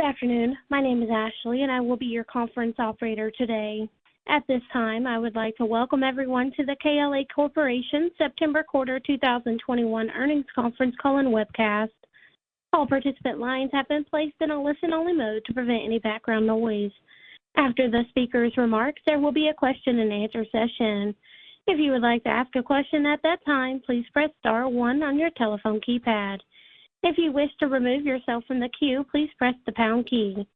Good afternoon. My name is Ashley, and I will be your conference operator today. At this time, I would like to welcome everyone to the KLA Corporation September Quarter 2021 Earnings Conference Call and Webcast. All participant lines have been placed in a listen-only mode to prevent any background noise. After the speaker's remarks, there will be a question-and-answer session. If you would like to ask a question at that time, please press star one on your telephone keypad. If you wish to remove yourself from the queue, please press the pound key.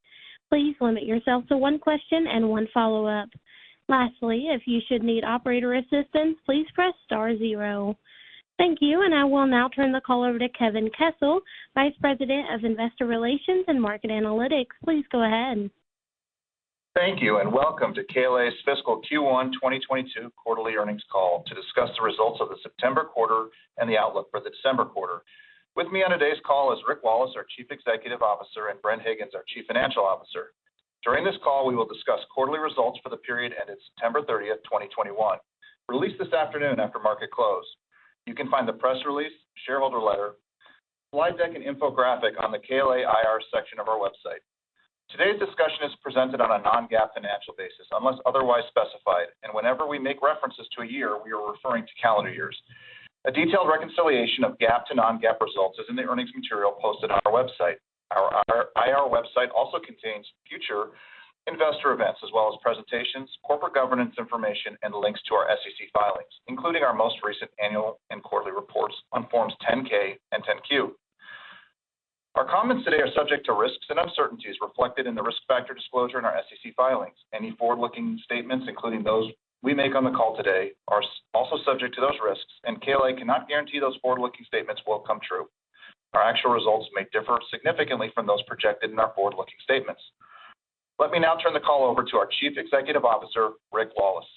Please limit yourself to one question and one follow-up. Lastly, if you should need operator assistance, please press star zero. Thank you, and I will now turn the call over to Kevin Kessel, Vice President of Investor Relations and Market Analytics. Please go ahead. Thank you, and welcome to KLA's fiscal Q1 2022 quarterly earnings call to discuss the results of the September quarter and the outlook for the December quarter. With me on today's call is Rick Wallace, our Chief Executive Officer, and Bren Higgins, our Chief Financial Officer. During this call, we will discuss quarterly results for the period ended September 30, 2021, released this afternoon after market close. You can find the press release, shareholder letter, slide deck, and infographic on the KLA IR section of our website. Today's discussion is presented on a non-GAAP financial basis, unless otherwise specified, and whenever we make references to a year, we are referring to calendar years. A detailed reconciliation of GAAP to non-GAAP results is in the earnings material posted on our website. Our IR website also contains future investor events as well as presentations, corporate governance information, and links to our SEC filings, including our most recent annual and quarterly reports on Forms 10-K and 10-Q. Our comments today are subject to risks and uncertainties reflected in the risk factor disclosure in our SEC filings. Any forward-looking statements, including those we make on the call today, are also subject to those risks, and KLA cannot guarantee those forward-looking statements will come true. Our actual results may differ significantly from those projected in our forward-looking statements. Let me now turn the call over to our Chief Executive Officer, Rick Wallace.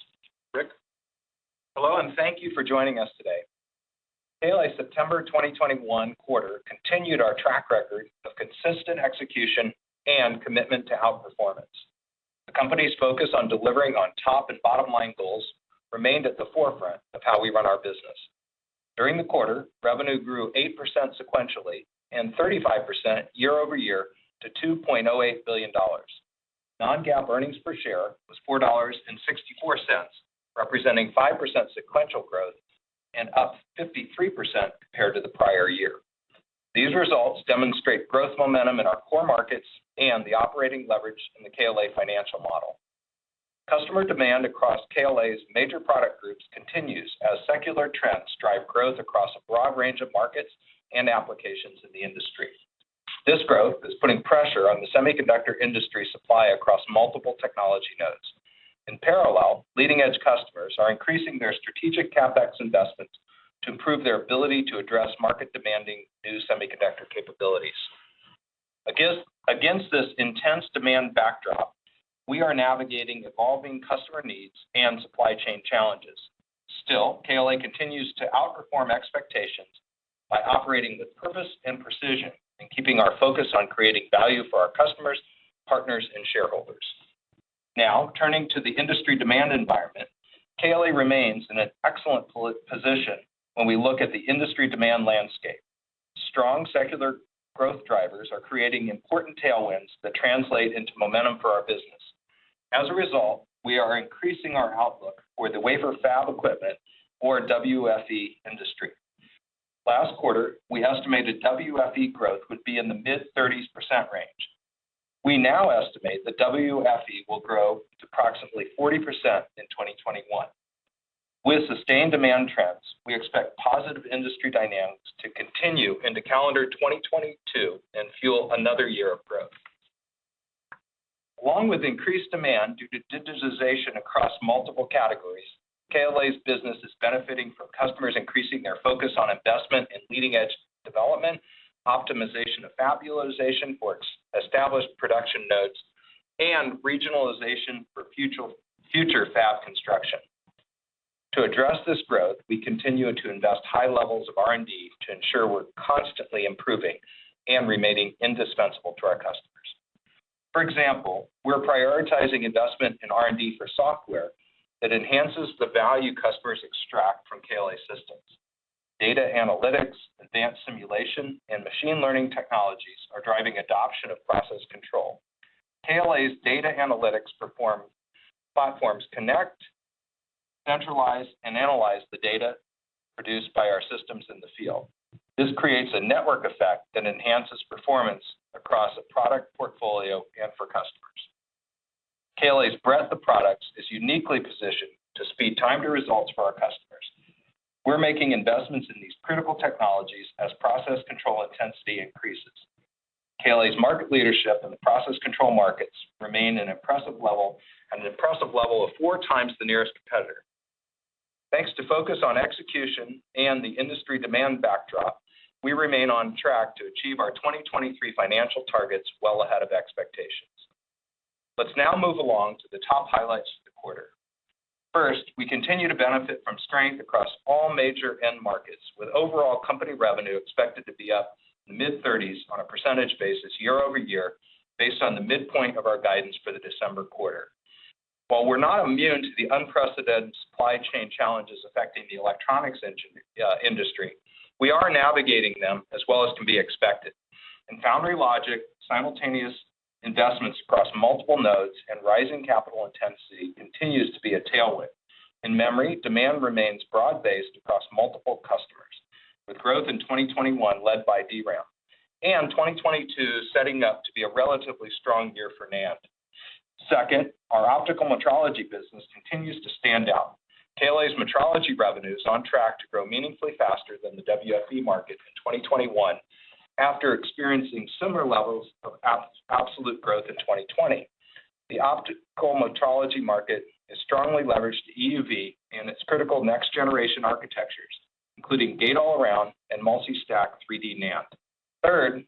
Rick. Hello, and thank you for joining us today. KLA September 2021 quarter continued our track record of consistent execution and commitment to outperformance. The company's focus on delivering on top and bottom-line goals remained at the forefront of how we run our business. During the quarter, revenue grew 8% sequentially and 35% year-over-year to $2.08 billion. non-GAAP earnings per share was $4.64, representing 5% sequential growth and up 53% compared to the prior year. These results demonstrate growth momentum in our core markets and the operating leverage in the KLA financial model. Customer demand across KLA's major product groups continues as secular trends drive growth across a broad range of markets and applications in the industry. This growth is putting pressure on the semiconductor industry supply across multiple technology nodes. In parallel, leading-edge customers are increasing their strategic CapEx investments to improve their ability to address market's demanding new semiconductor capabilities. Against this intense demand backdrop, we are navigating evolving customer needs and supply chain challenges. Still, KLA continues to outperform expectations by operating with purpose and precision and keeping our focus on creating value for our customers, partners, and shareholders. Now, turning to the industry demand environment, KLA remains in an excellent position when we look at the industry demand landscape. Strong secular growth drivers are creating important tailwinds that translate into momentum for our business. As a result, we are increasing our outlook for the wafer fab equipment or WFE industry. Last quarter, we estimated WFE growth would be in the mid-30s% range. We now estimate that WFE will grow to approximately 40% in 2021. With sustained demand trends, we expect positive industry dynamics to continue into calendar 2022 and fuel another year of growth. Along with increased demand due to digitization across multiple categories, KLA's business is benefiting from customers increasing their focus on investment in leading-edge development, optimization of fab utilization for established production nodes, and regionalization for future fab construction. To address this growth, we continue to invest high levels of R&D to ensure we're constantly improving and remaining indispensable to our customers. For example, we're prioritizing investment in R&D for software that enhances the value customers extract from KLA systems. Data analytics, advanced simulation, and machine learning technologies are driving adoption of process control. KLA's data analytics platforms connect, centralize, and analyze the data produced by our systems in the field. This creates a network effect that enhances performance across a product portfolio and for customers. KLA's breadth of products is uniquely positioned to speed time to results for our customers. We're making investments in these critical technologies as process control intensity increases. KLA's market leadership in the process control markets remain an impressive level, at an impressive level of four times the nearest competitor. Thanks to focus on execution and the industry demand backdrop, we remain on track to achieve our 2023 financial targets well ahead of expectations. Let's now move along to the top highlights for the quarter. First, we continue to benefit from strength across all major end markets, with overall company revenue expected to be up in the mid-30s on percentage basis year-over-year based on the midpoint of our guidance for the December quarter. While we're not immune to the unprecedented supply chain challenges affecting the electronics engine, industry, we are navigating them as well as can be expected. In Foundry/Logic, simultaneous investments across multiple nodes and rising capital intensity continues to be a tailwind. In memory, demand remains broad-based across multiple customers, with growth in 2021 led by DRAM, and 2022 setting up to be a relatively strong year for NAND. Second, our optical metrology business continues to stand out. KLA's metrology revenue is on track to grow meaningfully faster than the WFE market in 2021 after experiencing similar levels of absolute growth in 2020. The optical metrology market is strongly leveraged to EUV and its critical next-generation architectures, including Gate-All-Around and multi-stack 3D NAND. Third,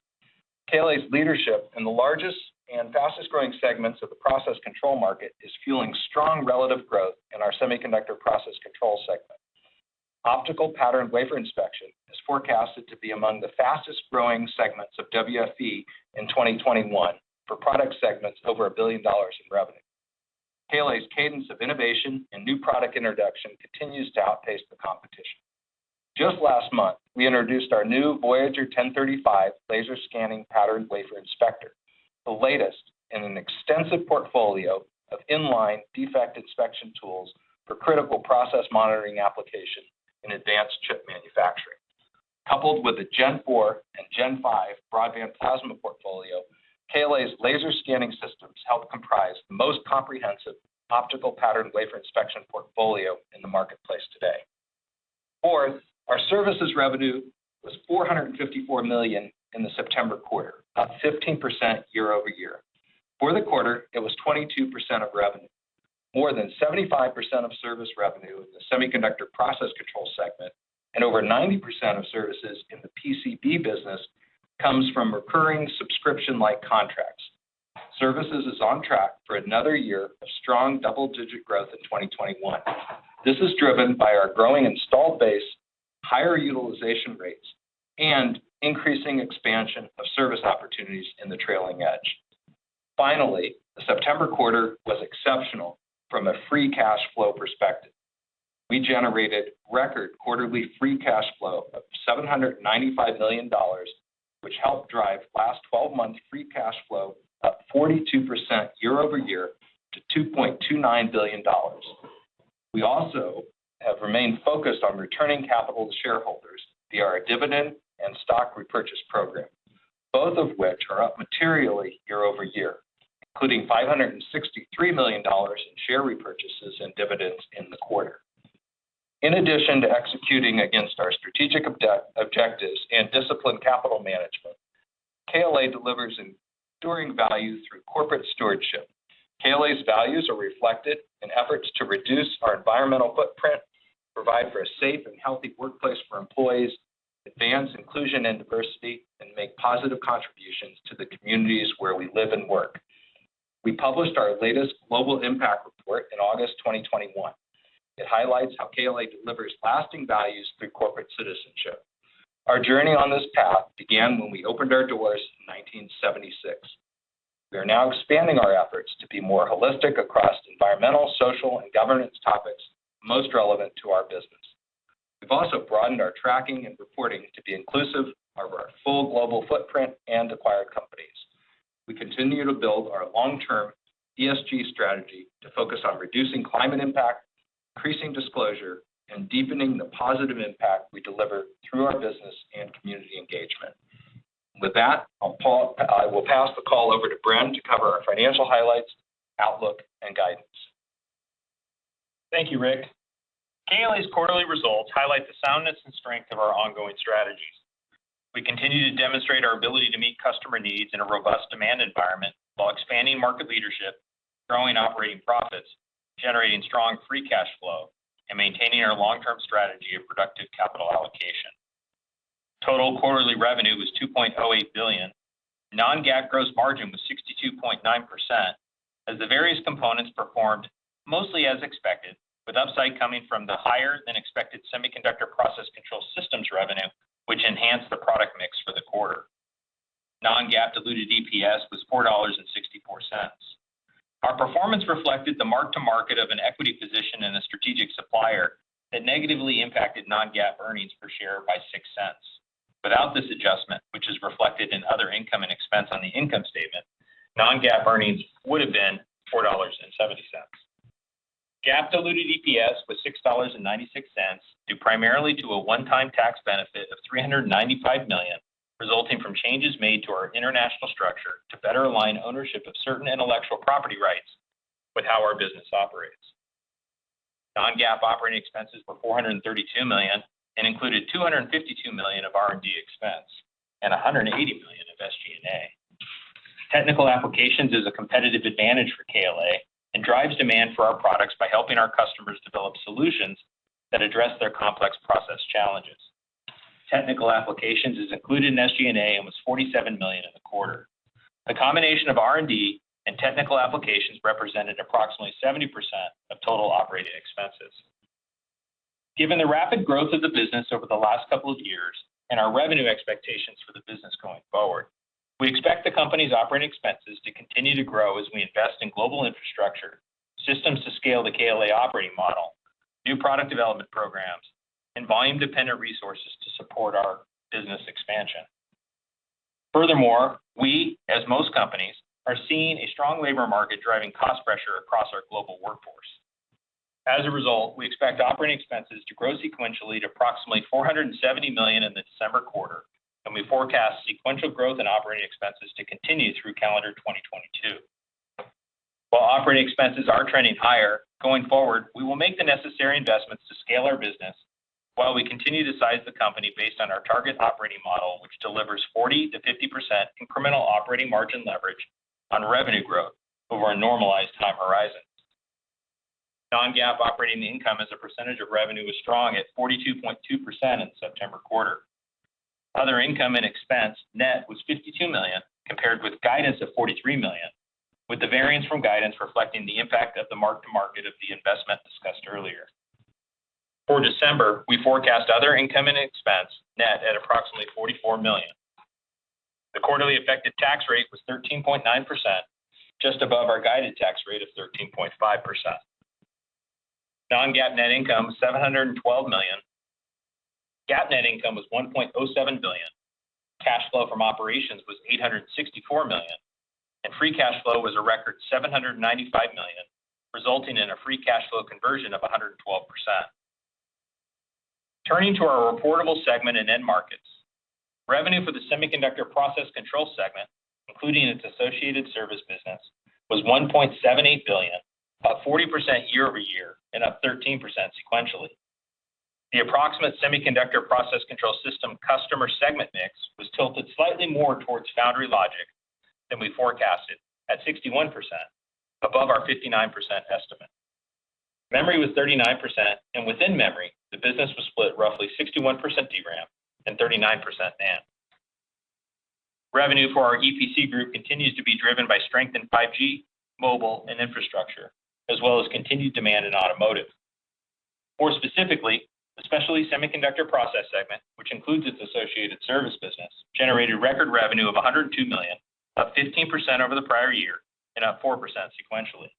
KLA's leadership in the largest and fastest-growing segments of the process control market is fueling strong relative growth in our semiconductor process control segment. Optical patterned wafer inspection is forecasted to be among the fastest-growing segments of WFE in 2021 for product segments over $1 billion in revenue. KLA's cadence of innovation and new product introduction continues to outpace the competition. Just last month, we introduced our new Voyager 1035 laser scanning patterned wafer inspector, the latest in an extensive portfolio of in-line defect inspection tools for critical process monitoring application in advanced chip manufacturing. Coupled with a Gen4 and Gen5 broadband plasma portfolio, KLA's laser scanning systems help comprise the most comprehensive optical patterned wafer inspection portfolio in the marketplace today. Fourth, our services revenue was $454 million in the September quarter, up 15% year-over-year. For the quarter, it was 22% of revenue. More than 75% of service revenue in the semiconductor process control segment and over 90% of services in the PCB business comes from recurring subscription-like contracts. Services is on track for another year of strong double-digit growth in 2021. This is driven by our growing installed base, higher utilization rates, and increasing expansion of service opportunities in the trailing edge. Finally, the September quarter was exceptional from a free cash flow perspective. We generated record quarterly free cash flow of $795 million, which helped drive last twelve months free cash flow up 42% year-over-year to $2.29 billion. We also have remained focused on returning capital to shareholders via our dividend and stock repurchase program, both of which are up materially year-over-year, including $563 million in share repurchases and dividends in the quarter. In addition to executing against our strategic objectives and disciplined capital management, KLA delivers enduring value through corporate stewardship. KLA's values are reflected in efforts to reduce our environmental footprint, provide for a safe and healthy workplace for employees, advance inclusion and diversity, and make positive contributions to the communities where we live and work. We published our latest global impact report in August 2021. It highlights how KLA delivers lasting values through corporate citizenship. Our journey on this path began when we opened our doors in 1976. We are now expanding our efforts to be more holistic across environmental, social, and governance topics most relevant to our business. We've also broadened our tracking and reporting to be inclusive of our full global footprint and acquired companies. We continue to build our long-term ESG strategy to focus on reducing climate impact, increasing disclosure, and deepening the positive impact we deliver through our business and community engagement. With that, I will pass the call over to Bren to cover our financial highlights, outlook, and guidance. Thank you, Rick. KLA's quarterly results highlight the soundness and strength of our ongoing strategies. We continue to demonstrate our ability to meet customer needs in a robust demand environment while expanding market leadership, growing operating profits, generating strong free cash flow, and maintaining our long-term strategy of productive capital allocation. Total quarterly revenue was $2.08 billion. Non-GAAP gross margin was 62.9% as the various components performed mostly as expected, with upside coming from the higher-than-expected semiconductor process control systems revenue, which enhanced the product mix for the quarter. Non-GAAP diluted EPS was $4.64. Our performance reflected the mark-to-market of an equity position in a strategic supplier that negatively impacted non-GAAP earnings per share by $0.06. Without this adjustment, which is reflected in other income and expense on the income statement, non-GAAP earnings would have been $4.70. GAAP diluted EPS was $6.96, due primarily to a one-time tax benefit of $395 million, resulting from changes made to our international structure to better align ownership of certain intellectual property rights with how our business operates. Non-GAAP operating expenses were $432 million and included $252 million of R&D expense and $180 million of SG&A. Technical applications is a competitive advantage for KLA and drives demand for our products by helping our customers develop solutions that address their complex process challenges. Technical applications is included in SG&A and was $47 million in the quarter. The combination of R&D and technical applications represented approximately 70% of total operating expenses. Given the rapid growth of the business over the last couple of years and our revenue expectations for the business going forward, we expect the company's operating expenses to continue to grow as we invest in global infrastructure, systems to scale the KLA operating model, new product development programs, and volume-dependent resources to support our business expansion. Furthermore, we, as most companies, are seeing a strong labor market driving cost pressure across our global workforce. As a result, we expect operating expenses to grow sequentially to approximately $470 million in the December quarter, and we forecast sequential growth in operating expenses to continue through calendar 2022. While operating expenses are trending higher, going forward, we will make the necessary investments to scale our business while we continue to size the company based on our target operating model, which delivers 40%-50% incremental operating margin leverage on revenue growth over a normalized time horizon. Non-GAAP operating income as a percentage of revenue was strong at 42.2% in September quarter. Other income and expense net was $52 million, compared with guidance of $43 million, with the variance from guidance reflecting the impact of the mark-to-market of the investment discussed earlier. For December, we forecast other income and expense net at approximately $44 million. The quarterly effective tax rate was 13.9%, just above our guided tax rate of 13.5%. Non-GAAP net income, $712 million. GAAP net income was $1.07 billion. Cash flow from operations was $864 million, and free cash flow was a record $795 million, resulting in a free cash flow conversion of 112%. Turning to our reportable segment and end markets, revenue for the semiconductor process control segment, including its associated service business, was $1.78 billion, up 40% year-over-year and up 13% sequentially. The approximate semiconductor process control system customer segment mix was tilted slightly more towards Foundry/Logic than we forecasted at 61%, above our 59% estimate. Memory was 39%, and within memory, the business was split roughly 61% DRAM and 39% NAND. Revenue for our EPC group continues to be driven by strength in 5G, mobile, and infrastructure, as well as continued demand in automotive. More specifically, the specialty semiconductor process segment, which includes its associated service business, generated record revenue of $102 million, up 15% over the prior year and up 4% sequentially.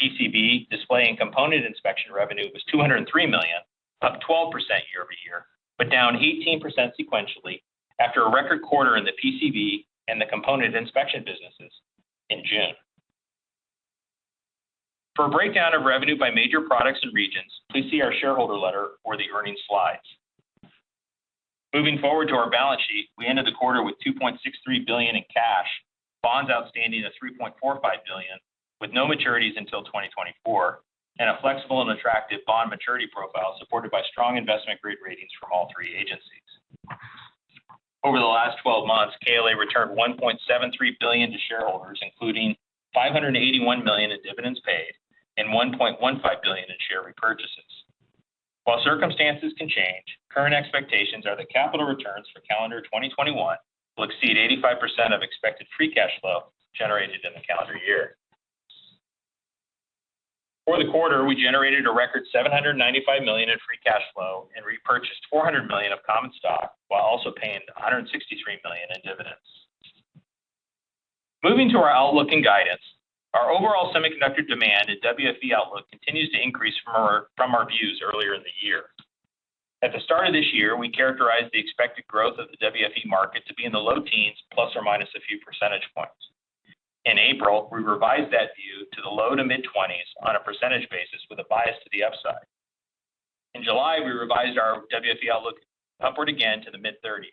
PCB display component inspection revenue was $203 million, up 12% year-over-year, but down 18% sequentially after a record quarter in the PCB and the component inspection businesses in June. For a breakdown of revenue by major products and regions, please see our shareholder letter or the earnings slides. Moving forward to our balance sheet, we ended the quarter with $2.63 billion in cash, bonds outstanding of $3.45 billion with no maturities until 2024, and a flexible and attractive bond maturity profile supported by strong investment-grade ratings from all three agencies. Over the last 12 months, KLA returned $1.73 billion to shareholders, including $581 million in dividends paid and $1.15 billion in share repurchases. While circumstances can change, current expectations are that capital returns for calendar 2021 will exceed 85% of expected free cash flow generated in the calendar year. For the quarter, we generated a record $795 million in free cash flow and repurchased $400 million of common stock while also paying $163 million in dividends. Moving to our outlook and guidance, our overall semiconductor demand in WFE outlook continues to increase from our views earlier in the year. At the start of this year, we characterized the expected growth of the WFE market to be in the low teens ± a few percentage points. In April, we revised that view to the low- to mid-20s% with a bias to the upside. In July, we revised our WFE outlook upward again to the mid-30s%.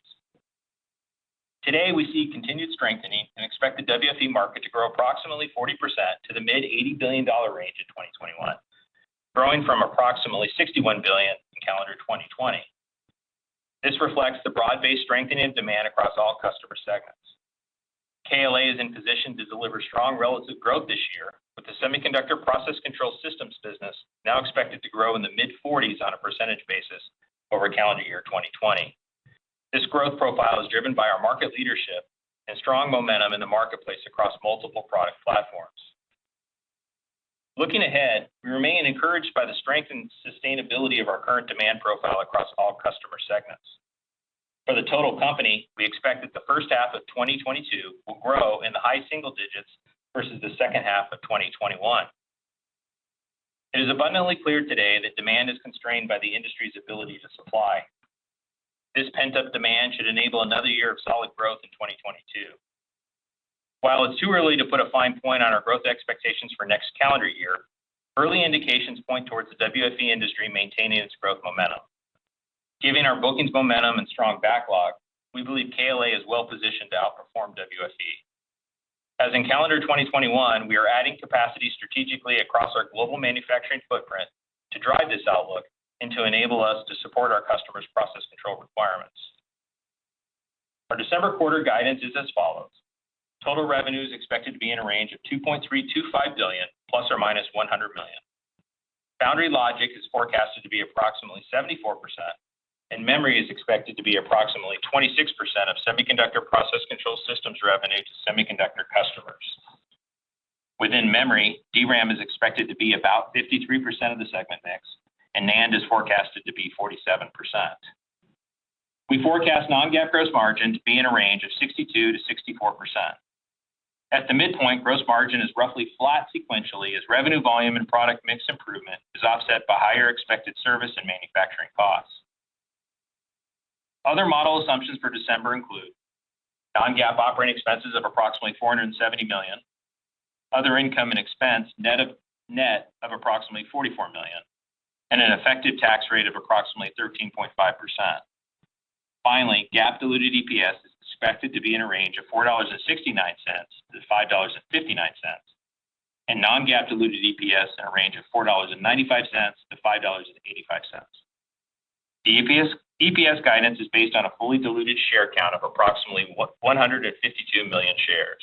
Today, we see continued strengthening and expect the WFE market to grow approximately 40% to the mid-$80 billion range in 2021, growing from approximately $61 billion in calendar 2020. This reflects the broad-based strengthening demand across all customer segments. KLA is in position to deliver strong relative growth this year, with the semiconductor process control systems business now expected to grow in the mid-40s% over calendar year 2020. This growth profile is driven by our market leadership and strong momentum in the marketplace across multiple product platforms. Looking ahead, we remain encouraged by the strength and sustainability of our current demand profile across all customer segments. For the total company, we expect that the first half of 2022 will grow in the high single digits% versus the second half of 2021. It is abundantly clear today that demand is constrained by the industry's ability to supply. This pent-up demand should enable another year of solid growth in 2022. While it's too early to put a fine point on our growth expectations for next calendar year, early indications point towards the WFE industry maintaining its growth momentum. Given our bookings momentum and strong backlog, we believe KLA is well-positioned to outperform WFE. As in calendar 2021, we are adding capacity strategically across our global manufacturing footprint to drive this outlook and to enable us to support our customers' process control requirements. Our December quarter guidance is as follows. Total revenue is expected to be in a range of $2.325 billion ±$100 million. Foundry/Logic is forecasted to be approximately 74%, and memory is expected to be approximately 26%. Within memory, DRAM is expected to be about 53% of the segment mix, and NAND is forecasted to be 47%. We forecast non-GAAP gross margin to be in a range of 62%-64%. At the midpoint, gross margin is roughly flat sequentially as revenue volume and product mix improvement is offset by higher expected service and manufacturing costs. Other model assumptions for December include non-GAAP operating expenses of approximately $470 million, other income and expense, net of approximately $44 million, and an effective tax rate of approximately 13.5%. Finally, GAAP diluted EPS is expected to be in a range of $4.69-$5.59, and non-GAAP diluted EPS in a range of $4.95-$5.85. The EPS guidance is based on a fully diluted share count of approximately 152 million shares.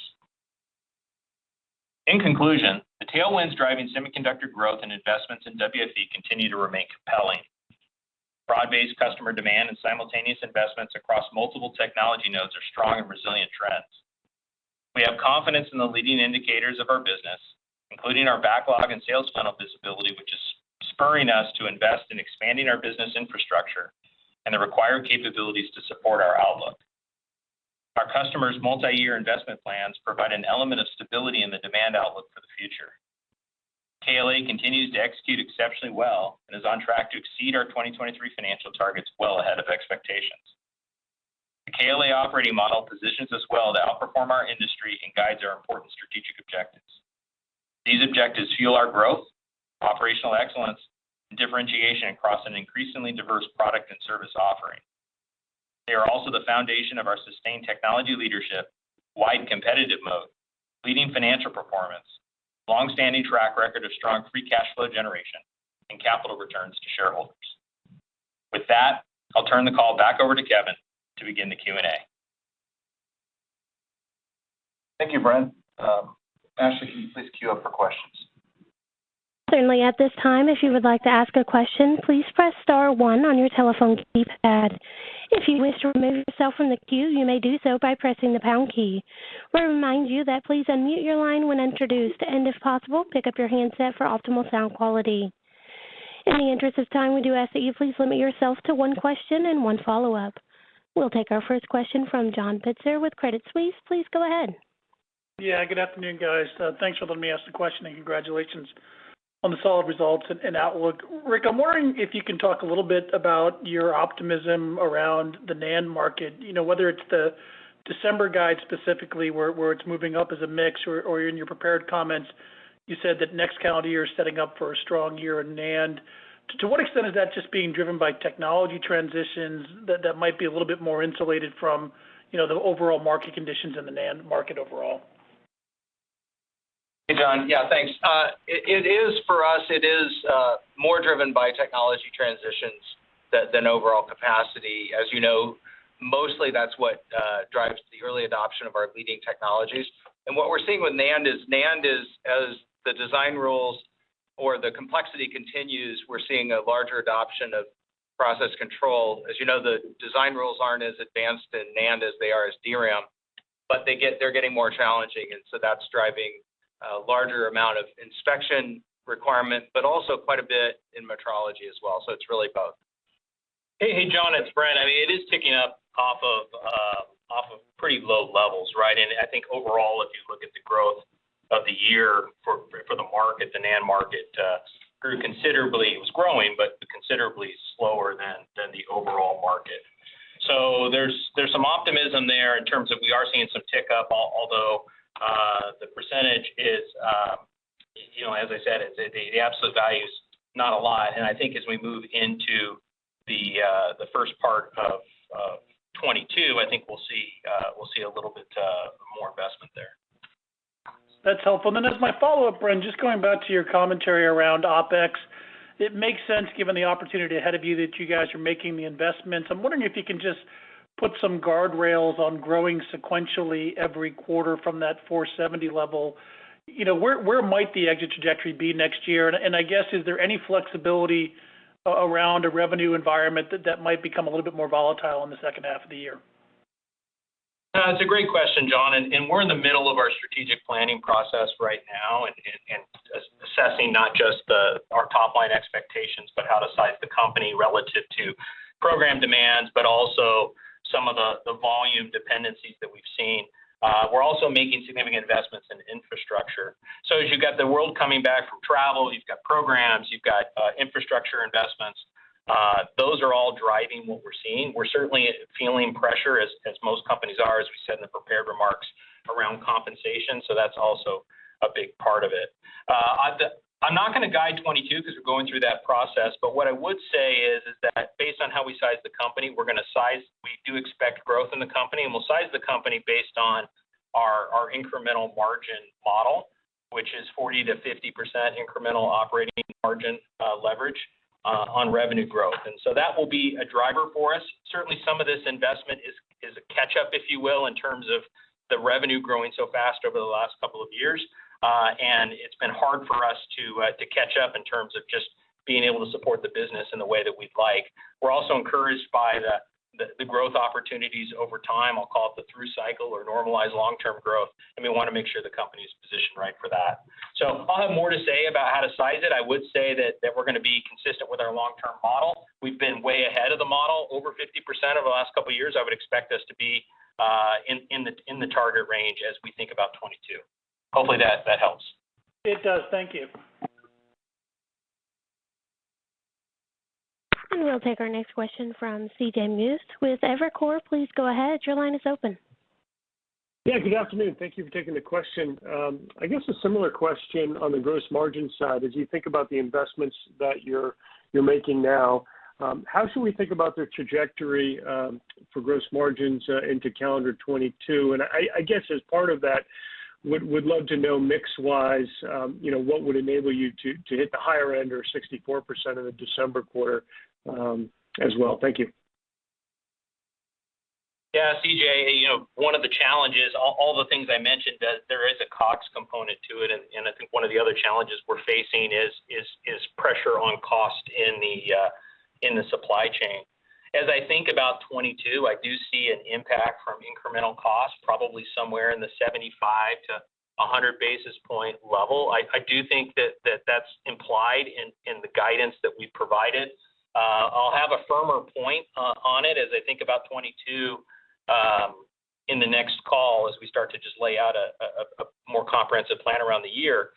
In conclusion, the tailwinds driving semiconductor growth and investments in WFE continue to remain compelling. Broad-based customer demand and simultaneous investments across multiple technology nodes are strong and resilient trends. We have confidence in the leading indicators of our business, including our backlog and sales funnel visibility, which is spurring us to invest in expanding our business infrastructure and the required capabilities to support our outlook. Our customers' multi-year investment plans provide an element of stability in the demand outlook for the future. KLA continues to execute exceptionally well and is on track to exceed our 2023 financial targets well ahead of expectations. The KLA operating model positions us well to outperform our industry and guides our important strategic objectives. These objectives fuel our growth, operational excellence, and differentiation across an increasingly diverse product and service offering. They are also the foundation of our sustained technology leadership, wide competitive moat, leading financial performance, long-standing track record of strong free cash flow generation, and capital returns to shareholders. With that, I'll turn the call back over to Kevin to begin the Q&A. Thank you, Bren. Ashley, can you please queue up for questions? Certainly. At this time, if you would like to ask a question, please press star one on your telephone keypad. If you wish to remove yourself from the queue, you may do so by pressing the pound key. We'll remind you that please unmute your line when introduced, and if possible, pick up your handset for optimal sound quality. In the interest of time, we do ask that you please limit yourself to one question and one follow-up. We'll take our first question from John Pitzer with Credit Suisse. Please go ahead. Yeah, good afternoon, guys. Thanks for letting me ask the question, and congratulations on the solid results and outlook. Rick, I'm wondering if you can talk a little bit about your optimism around the NAND market. You know, whether it's the December guide specifically where it's moving up as a mix or in your prepared comments, you said that next calendar year is setting up for a strong year in NAND. To what extent is that just being driven by technology transitions that might be a little bit more insulated from, you know, the overall market conditions in the NAND market overall? Hey, John. Yeah, thanks. It is for us more driven by technology transitions than overall capacity. As you know, mostly that's what drives the early adoption of our leading technologies. What we're seeing with NAND is as the design rules or the complexity continues, we're seeing a larger adoption of process control. As you know, the design rules aren't as advanced in NAND as they are in DRAM, but they're getting more challenging, and so that's driving a larger amount of inspection requirements, but also quite a bit in metrology as well, so it's really both. Hey, John, it's Bren. I mean, it is ticking up off of pretty low levels, right? I think overall, if you look at the growth over the year for the market, the NAND market grew considerably. It was growing, but considerably slower than the overall market. There's some optimism there in terms of we are seeing some tick up, although the percentage is, you know, as I said, it's the absolute value is not a lot. I think as we move into the first part of 2022, I think we'll see a little bit more investment there. That's helpful. As my follow-up, Bren, just going back to your commentary around OpEx. It makes sense given the opportunity ahead of you that you guys are making the investments. I'm wondering if you can just put some guardrails on growing sequentially every quarter from that $470 level. You know, where might the exit trajectory be next year? I guess, is there any flexibility around a revenue environment that might become a little bit more volatile in the second half of the year? It's a great question, John, and we're in the middle of our strategic planning process right now, and assessing not just our top-line expectations, but how to size the company relative to program demands, but also some of the volume dependencies that we've seen. We're also making significant investments in infrastructure. As you've got the world coming back from travel, you've got programs, you've got infrastructure investments, those are all driving what we're seeing. We're certainly feeling pressure as most companies are, as we said in the prepared remarks around compensation. That's also a big part of it. I'm not going to guide 2022 because we're going through that process, but what I would say is that based on how we size the company, we're going to size. We do expect growth in the company, and we'll size the company based on our incremental margin model, which is 40%-50% incremental operating margin leverage on revenue growth. That will be a driver for us. Certainly, some of this investment is a catch-up, if you will, in terms of the revenue growing so fast over the last couple of years. It's been hard for us to catch up in terms of just being able to support the business in the way that we'd like. We're also encouraged by the growth opportunities over time. I'll call it the through cycle or normalized long-term growth, and we wanna make sure the company's positioned right for that. I'll have more to say about how to size it. I would say that we're gonna be consistent with our long-term model. We've been way ahead of the model, over 50% over the last couple years. I would expect us to be in the target range as we think about 2022. Hopefully that helps. It does. Thank you. We'll take our next question from C.J. Muse with Evercore. Please go ahead, your line is open. Yeah. Good afternoon. Thank you for taking the question. I guess a similar question on the gross margin side. As you think about the investments that you're making now, how should we think about the trajectory for gross margins into calendar 2022? I guess as part of that, would love to know mix wise, you know, what would enable you to hit the higher end or 64% in the December quarter, as well. Thank you. Yeah. C.J., you know, one of the challenges, all the things I mentioned that there is a COGS component to it. I think one of the other challenges we're facing is pressure on cost in the supply chain. As I think about 2022, I do see an impact from incremental cost, probably somewhere in the 75-100 basis point level. I do think that that's implied in the guidance that we provided. I'll have a firmer point on it as I think about 2022, in the next call as we start to just lay out a more comprehensive plan around the year.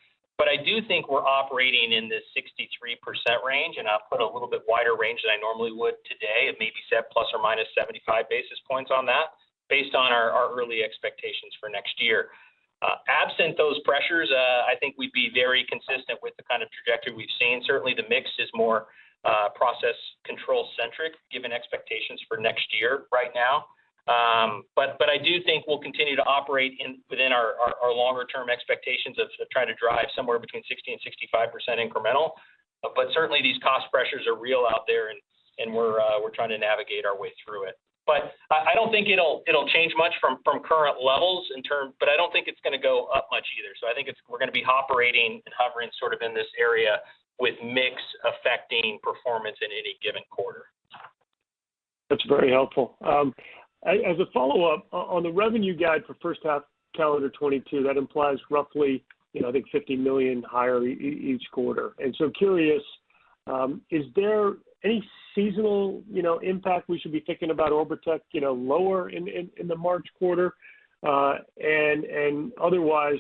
I do think we're operating in the 63% range, and I'll put a little bit wider range than I normally would today of maybe ±75 basis points on that based on our early expectations for next year. Absent those pressures, I think we'd be very consistent with the kind of trajectory we've seen. Certainly, the mix is more process control centric given expectations for next year right now. But I do think we'll continue to operate within our longer term expectations of trying to drive somewhere between 60%-65% incremental. But certainly these cost pressures are real out there and we're trying to navigate our way through it. I don't think it'll change much from current levels in terms, but I don't think it's gonna go up much either. I think we're gonna be operating and hovering sort of in this area with mix affecting performance in any given quarter. That's very helpful. As a follow-up, on the revenue guide for first half calendar 2022, that implies roughly, you know, I think $50 million higher each quarter. Curious, is there any seasonal, you know, impact we should be thinking about Orbotech, you know, lower in the March quarter? Otherwise,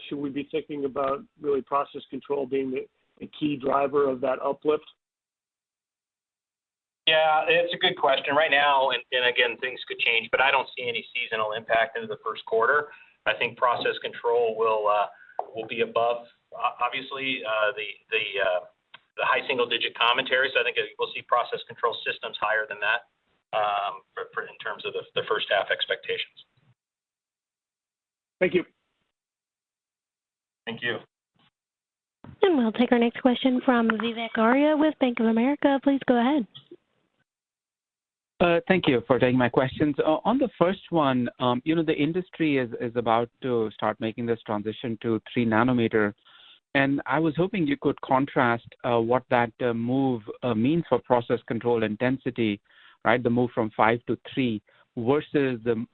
should we be thinking about really process control being the key driver of that uplift? Yeah. It's a good question. Right now, again, things could change, but I don't see any seasonal impact into the Q1. I think process control will be above, obviously, the high single digit commentary. I think we'll see process control systems higher than that, for, in terms of the first half expectations. Thank you. Thank you. We'll take our next question from Vivek Arya with Bank of America. Please go ahead. Thank you for taking my questions. On the first one, you know, the industry is about to start making this transition to three nm, and I was hoping you could contrast what that move means for process control intensity, right? The move from five to three versus the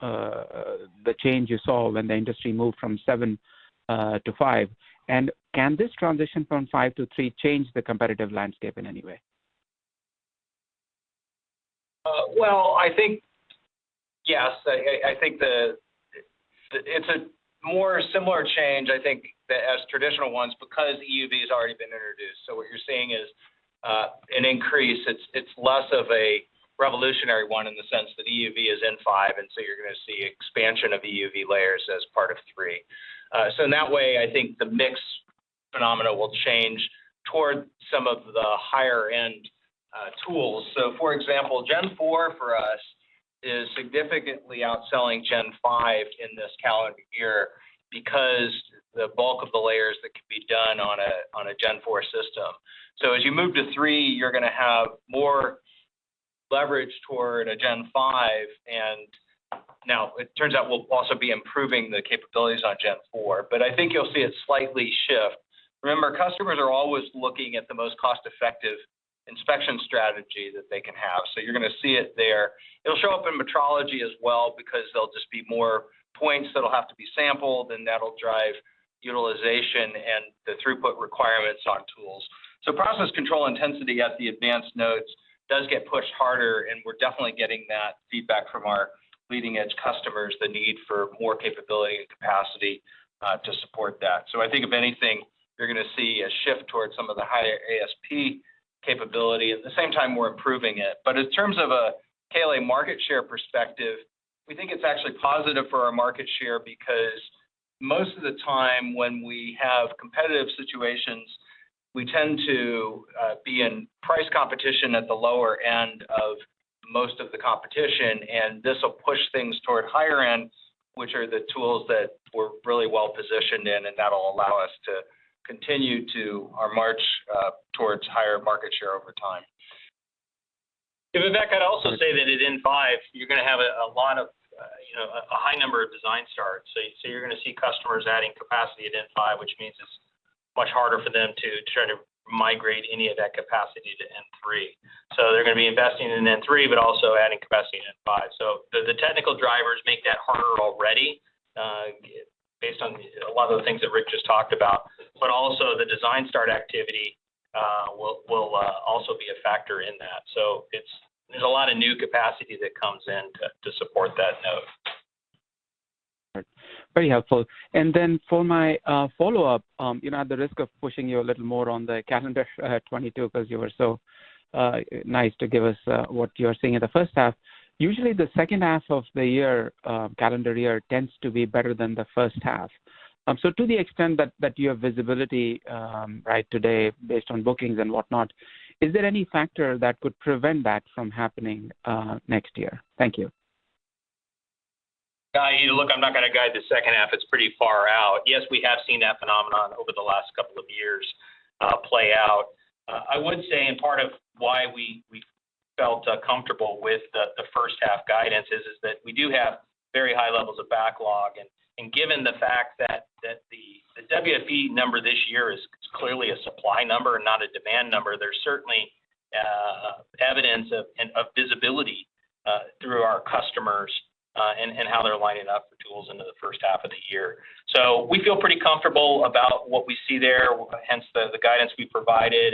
change you saw when the industry moved from seven to five. Can this transition from five to three change the competitive landscape in any way? Well, I think yes. I think the it's a more similar change, I think, as traditional ones because EUV has already been introduced. What you're seeing is an increase. It's less of a revolutionary one in the sense that EUV is in five, and so you're gonna see expansion of EUV layers as part of three. In that way, I think the mix phenomena will change towards some of the higher end tools. For example, Gen4 for us is significantly outselling Gen5 in this calendar year because the bulk of the layers that can be done on a Gen4 system. As you move to three, you're gonna have more leverage toward a Gen5 and Now it turns out we'll also be improving the capabilities on Gen4, but I think you'll see it slightly shift. Remember, customers are always looking at the most cost-effective inspection strategy that they can have, so you're gonna see it there. It'll show up in metrology as well because there'll be more points that'll have to be sampled, and that'll drive utilization and the throughput requirements on tools. Process control intensity at the advanced nodes does get pushed harder, and we're definitely getting that feedback from our leading-edge customers, the need for more capability and capacity to support that. I think if anything, you're gonna see a shift towards some of the higher ASP capability. At the same time, we're improving it. In terms of a KLA market share perspective, we think it's actually positive for our market share because most of the time when we have competitive situations, we tend to be in price competition at the lower end of most of the competition. This will push things toward higher ends, which are the tools that we're really well positioned in, and that'll allow us to continue our march towards higher market share over time. Vivek, I'd also- A high number of design starts. You're gonna see customers adding capacity at N5, which means it's much harder for them to try to migrate any of that capacity to N3. They're gonna be investing in N3, but also adding capacity in N5. The technical drivers make that harder already, based on a lot of the things that Rick just talked about. But also the design start activity will also be a factor in that. There's a lot of new capacity that comes in to support that node. Right. Very helpful. For my follow-up, you know, at the risk of pushing you a little more on the calendar 2022, 'cause you were so nice to give us what you're seeing in the first half. Usually, the second half of the year, calendar year tends to be better than the first half. To the extent that you have visibility, right today based on bookings and whatnot, is there any factor that could prevent that from happening, next year? Thank you. You know, look, I'm not gonna guide the second half. It's pretty far out. Yes, we have seen that phenomenon over the last couple of years play out. I would say and part of why we felt comfortable with the first half guidance is that we do have very high levels of backlog. Given the fact that the WFE number this year is clearly a supply number and not a demand number, there's certainly evidence of visibility through our customers and how they're lining up for tools into the first half of the year. We feel pretty comfortable about what we see there, hence the guidance we provided,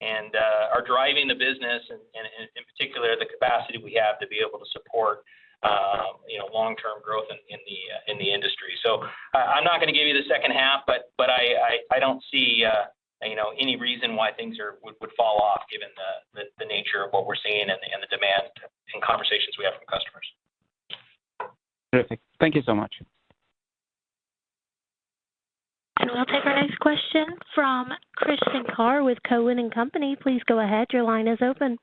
and are driving the business and in particular the capacity we have to be able to support, you know, long-term growth in the industry. I'm not gonna give you the second half, but I don't see, you know, any reason why things would fall off given the nature of what we're seeing and the demand and conversations we have from customers. Terrific. Thank you so much. We'll take our next question from Krish Sankar with Cowen and Company. Please go ahead. Your line is open.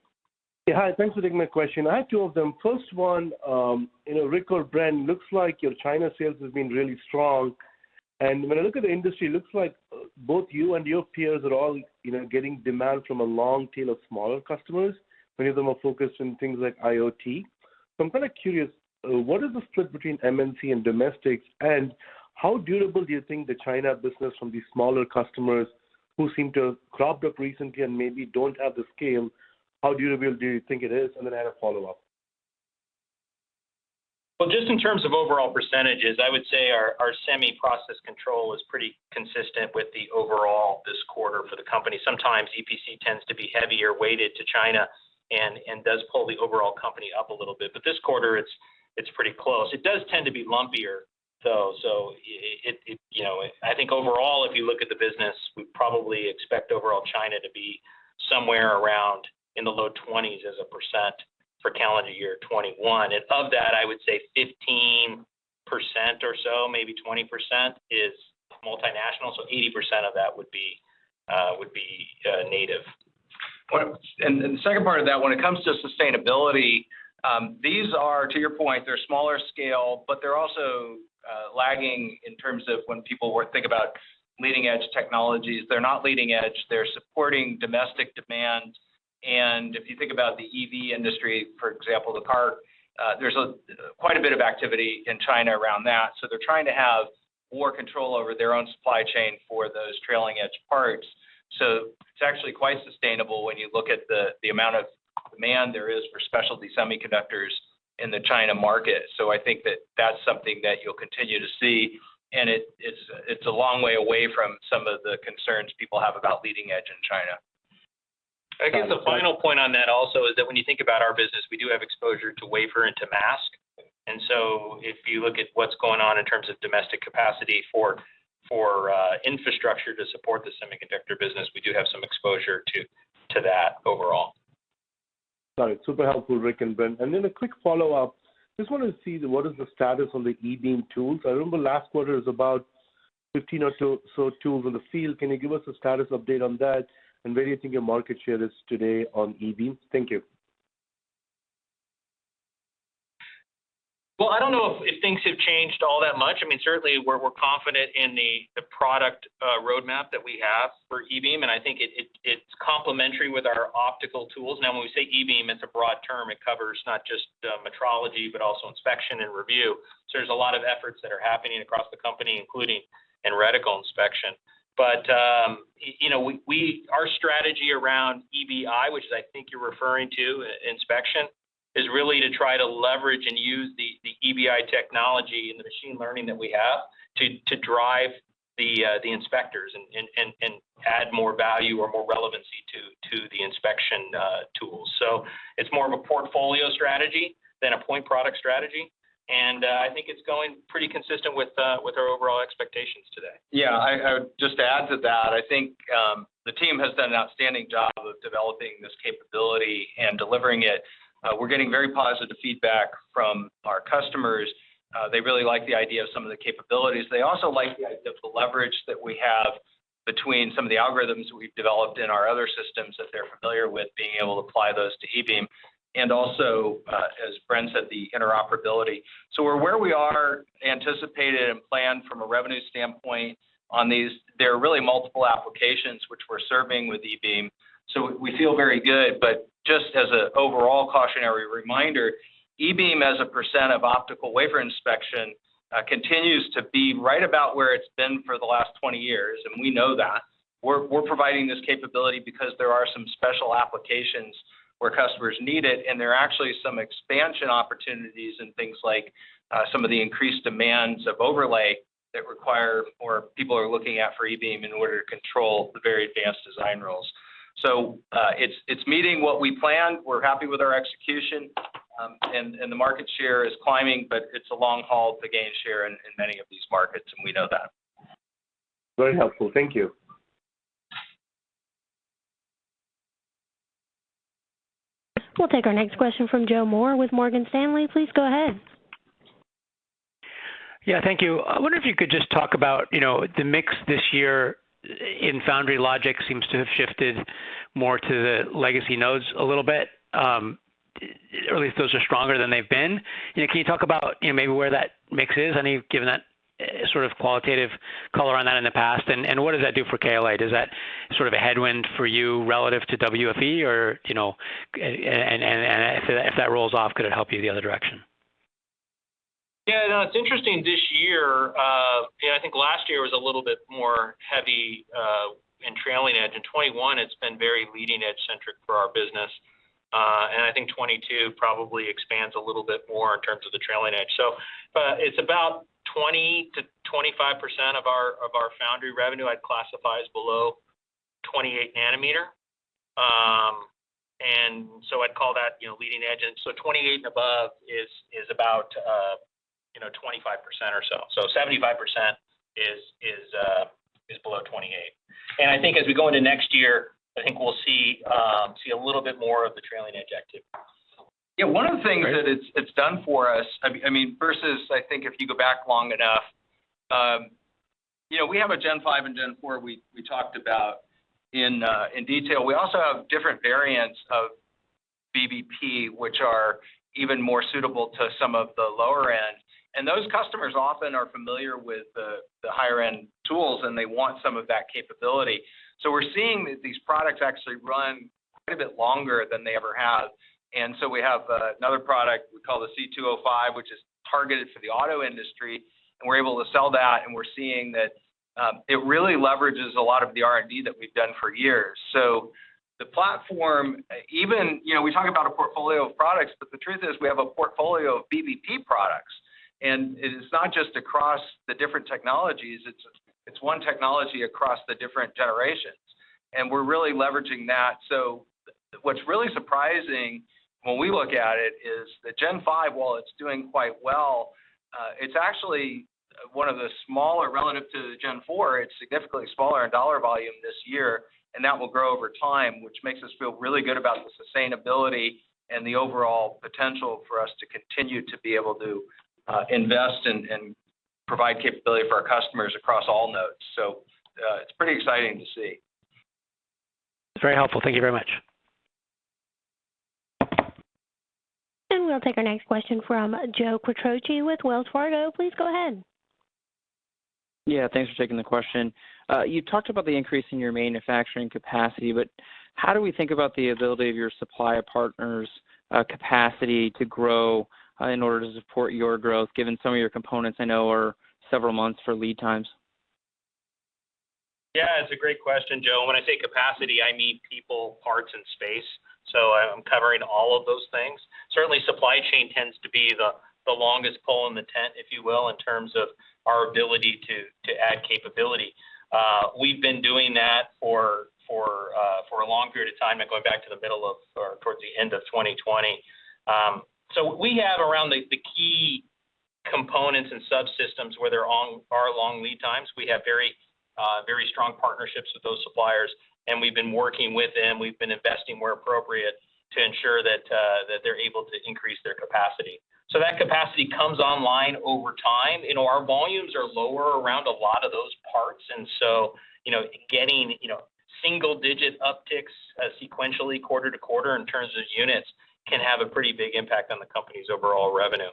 Yeah. Hi. Thanks for taking my question. I have two of them. First one, you know, Rick or Bren, looks like your China sales has been really strong. When I look at the industry, it looks like both you and your peers are all, you know, getting demand from a long tail of smaller customers, many of them are focused on things like IoT. I'm kind of curious, what is the split between MNC and domestic, and how durable do you think the China business from these smaller customers who seem to have cropped up recently and maybe don't have the scale, how durable do you think it is? I had a follow-up. Well, just in terms of overall percentages, I would say our semi process control is pretty consistent with the overall this quarter for the company. Sometimes EPC tends to be heavily weighted to China and does pull the overall company up a little bit. But this quarter, it's pretty close. It does tend to be lumpier though, so it you know, I think overall, if you look at the business, we probably expect overall China to be somewhere around in the low 20s% for calendar year 2021. Of that, I would say 15% or so, maybe 20% is multinational, so 80% of that would be native. The second part of that, when it comes to sustainability, these are, to your point, they're smaller scale, but they're also lagging in terms of when people were thinking about leading edge technologies. They're not leading edge. They're supporting domestic demand. If you think about the EV industry, for example, the car, there's quite a bit of activity in China around that. They're trying to have more control over their own supply chain for those trailing edge parts. It's actually quite sustainable when you look at the amount of demand there is for specialty semiconductors in the China market. I think that's something that you'll continue to see, and it's a long way away from some of the concerns people have about leading edge in China. I guess the final point on that also is that when you think about our business, we do have exposure to wafer and to mask. If you look at what's going on in terms of domestic capacity for infrastructure to support the semiconductor business, we do have some exposure to that overall. Got it. Super helpful, Rick and Bren. A quick follow-up. Just wanted to see what is the status on the E-beam tools. I remember last quarter it was about 15 or so tools in the field. Can you give us a status update on that, and where do you think your market share is today on E-beam? Thank you. Well, I don't know if things have changed all that much. I mean, certainly we're confident in the product roadmap that we have for E-beam, and I think it's complementary with our optical tools. Now, when we say E-beam, it's a broad term. It covers not just metrology, but also inspection and review. There's a lot of efforts that are happening across the company, including in reticle inspection. You know, our strategy around EBI, which is I think you're referring to, inspection, is really to try to leverage and use the EBI technology and the machine learning that we have to drive the inspectors and add more value or more relevancy to the inspection tools. It's more of a portfolio strategy than a point product strategy. I think it's going pretty consistent with our overall expectations today. Yeah. I would just add to that. I think, the team has done an outstanding job of developing this capability and delivering it. We're getting very positive feedback from our customers. They really like the idea of some of the capabilities. They also like the idea of the leverage that we have between some of the algorithms we've developed in our other systems that they're familiar with, being able to apply those to E-beam, and also, as Bren said, the interoperability. We're where we are, anticipated and planned from a revenue standpoint on these. There are really multiple applications which we're serving with E-beam, so we feel very good. Just as- The overall cautionary reminder, E-beam as a % of optical wafer inspection continues to be right about where it's been for the last 20 years, and we know that. We're providing this capability because there are some special applications where customers need it, and there are actually some expansion opportunities in things like some of the increased demands of overlay that require more people are looking at for E-beam in order to control the very advanced design rules. It's meeting what we planned. We're happy with our execution, and the market share is climbing, but it's a long haul to gain share in many of these markets, and we know that. Very helpful. Thank you. We'll take our next question from Joe Moore with Morgan Stanley. Please go ahead. Yeah, thank you. I wonder if you could just talk about, you know, the mix this year in Foundry/Logic seems to have shifted more to the legacy nodes a little bit, or at least those are stronger than they've been. You know, can you talk about, you know, maybe where that mix is? I know you've given that sort of qualitative color on that in the past, and what does that do for KLA? Does that sort of a headwind for you relative to WFE or, you know, and if that rolls off, could it help you the other direction? Yeah, no, it's interesting this year. You know, I think last year was a little bit more heavy in trailing edge. In 2021, it's been very leading edge centric for our business. I think 2022 probably expands a little bit more in terms of the trailing edge. It's about 20%-25% of our foundry revenue I'd classify as below 28 nm. I'd call that, you know, leading edge. 28 and above is about, you know, 25% or so. 75% is below 28. I think as we go into next year, I think we'll see a little bit more of the trailing edge activity. Yeah. One of the things that it's done for us, I mean, versus I think if you go back long enough, you know, we have a Gen5 and Gen4 we talked about in detail. We also have different variants of BBP, which are even more suitable to some of the lower end, and those customers often are familiar with the higher end tools, and they want some of that capability. We're seeing that these products actually run quite a bit longer than they ever have. We have another product we call the C205, which is targeted for the auto industry, and we're able to sell that, and we're seeing that it really leverages a lot of the R&D that we've done for years. The platform even, you know, we talk about a portfolio of products, but the truth is we have a portfolio of BBP products, and it is not just across the different technologies. It's one technology across the different generations, and we're really leveraging that. What's really surprising when we look at it is the Gen5, while it's doing quite well, it's actually one of the smaller relative to the Gen4. It's significantly smaller in dollar volume this year, and that will grow over time, which makes us feel really good about the sustainability and the overall potential for us to continue to be able to invest and provide capability for our customers across all nodes. It's pretty exciting to see. It's very helpful. Thank you very much. We'll take our next question from Joe Quattrocchi with Wells Fargo. Please go ahead. Yeah, thanks for taking the question. You talked about the increase in your manufacturing capacity, but how do we think about the ability of your supplier partners' capacity to grow, in order to support your growth, given some of your components I know are several months for lead times? Yeah, it's a great question, Joe. When I say capacity, I mean people, parts, and space. I'm covering all of those things. Certainly, supply chain tends to be the longest pole in the tent, if you will, in terms of our ability to add capability. We've been doing that for a long period of time and going back to the middle of or towards the end of 2020. We have around the key components and subsystems where there are long lead times. We have very strong partnerships with those suppliers, and we've been working with them. We've been investing where appropriate to ensure that they're able to increase their capacity. That capacity comes online over time. You know, our volumes are lower around a lot of those parts, and so, you know, getting, you know, single digit upticks sequentially quarter to quarter in terms of units can have a pretty big impact on the company's overall revenue.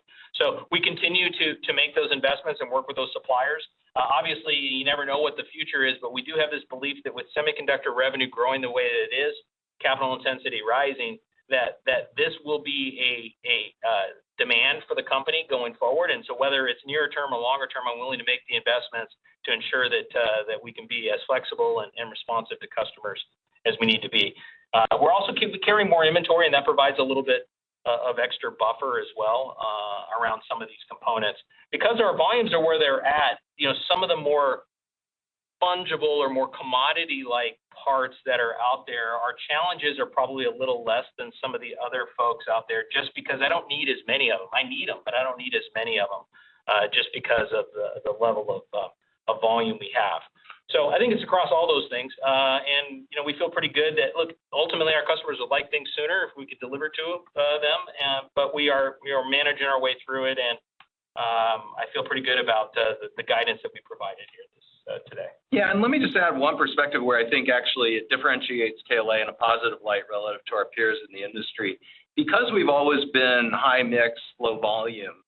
We continue to make those investments and work with those suppliers. Obviously, you never know what the future is, but we do have this belief that with semiconductor revenue growing the way that it is, capital intensity rising, that this will be a demand for the company going forward. Whether it's near term or longer term, I'm willing to make the investments to ensure that we can be as flexible and responsive to customers as we need to be. We're also keep carrying more inventory, and that provides a little bit of extra buffer as well around some of these components. Because our volumes are where they're at, you know, some of the more fungible or more commodity-like parts that are out there, our challenges are probably a little less than some of the other folks out there, just because I don't need as many of them. I need them, but I don't need as many of them just because of the level of volume we have. I think it's across all those things. You know, we feel pretty good that, look, ultimately our customers would like things sooner if we could deliver to them. We are managing our way through it and I feel pretty good about the guidance that we provided here this today. Yeah. Let me just add one perspective where I think actually it differentiates KLA in a positive light relative to our peers in the industry. Because we've always been high mix, low volume,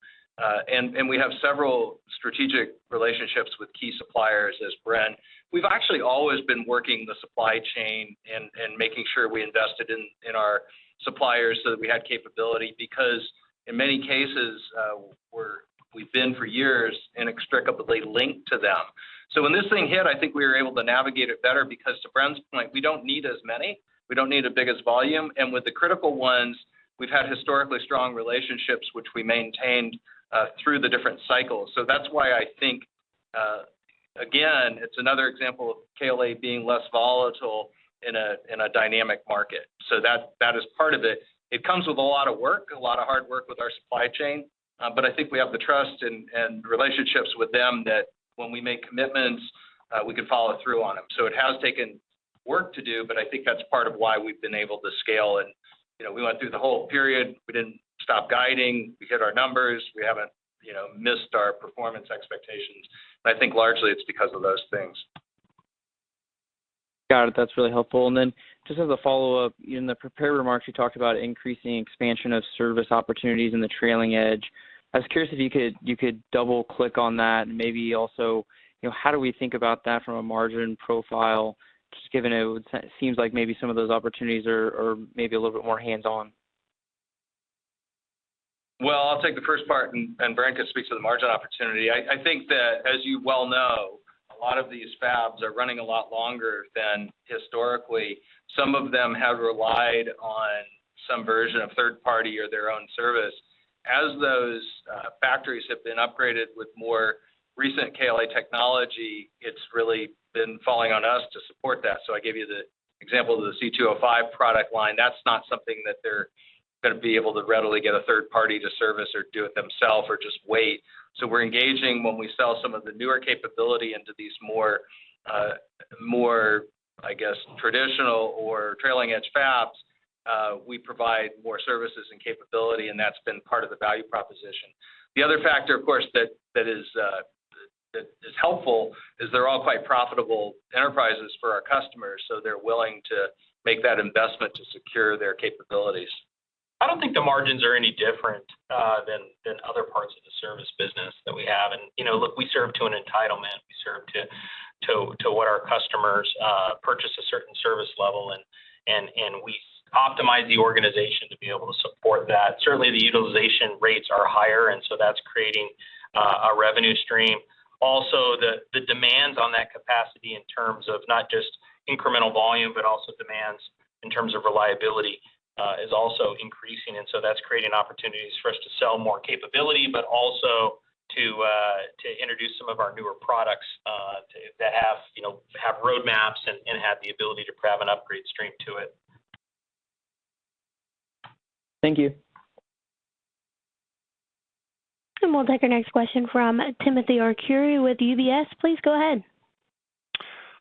and we have several strategic relationships with key suppliers, as Bren, we've actually always been working the supply chain and making sure we invested in our suppliers so that we had capability, because in many cases, we've been for years inextricably linked to them. When this thing hit, I think we were able to navigate it better because to Bren's point, we don't need as many, we don't need as big as volume, and with the critical ones, we've had historically strong relationships which we maintained through the different cycles. That's why I think, again, it's another example of KLA being less volatile in a dynamic market. That is part of it. It comes with a lot of work, a lot of hard work with our supply chain. But I think we have the trust and relationships with them that when we make commitments, we can follow through on them. It has taken work to do, but I think that's part of why we've been able to scale. You know, we went through the whole period, we didn't stop guiding, we hit our numbers. We haven't, you know, missed our performance expectations, and I think largely it's because of those things. Got it. That's really helpful. Just as a follow-up, in the prepared remarks, you talked about increasing expansion of service opportunities in the trailing edge. I was curious if you could double-click on that and maybe also, you know, how do we think about that from a margin profile, just given seems like maybe some of those opportunities are maybe a little bit more hands-on? Well, I'll take the first part and Bren can speak to the margin opportunity. I think that as you well know, a lot of these fabs are running a lot longer than historically. Some of them have relied on some version of third party or their own service. As those factories have been upgraded with more recent KLA technology, it's really been falling on us to support that. So I gave you the example of the C205 product line. That's not something that they're gonna be able to readily get a third party to service or do it themselves or just wait. So we're engaging when we sell some of the newer capability into these more, I guess, traditional or trailing edge fabs, we provide more services and capability, and that's been part of the value proposition. The other factor, of course, that is helpful is they're all quite profitable enterprises for our customers, so they're willing to make that investment to secure their capabilities. I don't think the margins are any different than other parts of the service business that we have. You know, look, we serve to an entitlement. We serve to what our customers purchase a certain service level and we optimize the organization to be able to support that. Certainly, the utilization rates are higher, and so that's creating a revenue stream. Also, the demands on that capacity in terms of not just incremental volume, but also demands in terms of reliability is also increasing. That's creating opportunities for us to sell more capability, but also to introduce some of our newer products that have, you know, roadmaps and have the ability to have an upgrade stream to it. Thank you. We'll take our next question from Timothy Arcuri with UBS. Please go ahead.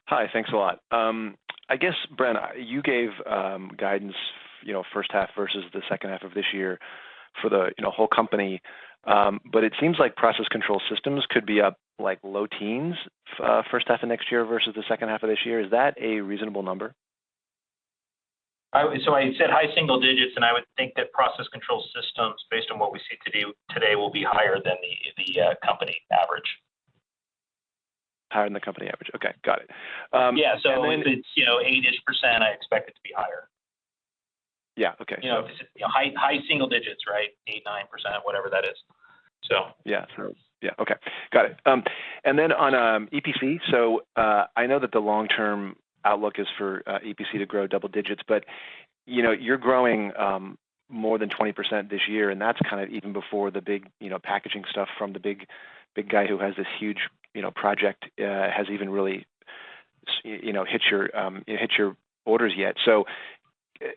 Hi. Thanks a lot. I guess, Bren, you gave guidance, you know, first half versus the second half of this year for the, you know, whole company. It seems like process control systems could be up like low teens first half of next year versus the second half of this year. Is that a reasonable number? I said high single digits, and I would think that process control systems, based on what we see to date, will be higher than the company average. Higher than the company average. Okay. Got it. Yeah. If it's, you know, eight-ish%, I expect it to be higher. Yeah. Okay. You know, high single digits, right? 8%, 9%, whatever that is, so. Yeah. Yeah. Okay. Got it. Then on EPC, I know that the long-term outlook is for EPC to grow double digits, but you know, you're growing more than 20% this year, and that's kind of even before the big you know, packaging stuff from the big guy who has this huge you know, project has even really hit your orders yet.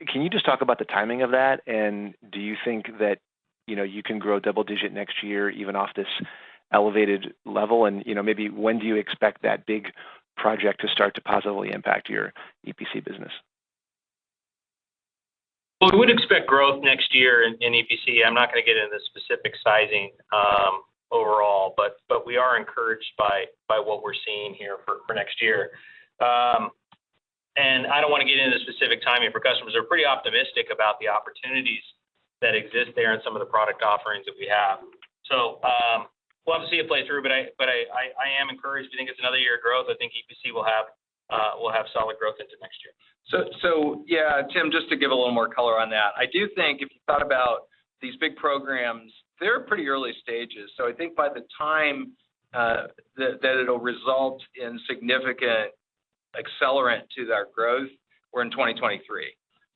Can you just talk about the timing of that? Do you think that you know, you can grow double digit next year, even off this elevated level? And you know, maybe when do you expect that big project to start to positively impact your EPC business? Well, we would expect growth next year in EPC. I'm not gonna get into the specific sizing overall, but we are encouraged by what we're seeing here for next year. I don't wanna get into the specific timing for customers. They're pretty optimistic about the opportunities that exist there and some of the product offerings that we have. We'll have to see it play through, but I am encouraged to think it's another year of growth. I think EPC will have solid growth into next year. Yeah, Tim, just to give a little more color on that. I do think if you thought about these big programs, they're pretty early stages. I think by the time that that'll result in significant accelerant to that growth, we're in 2023.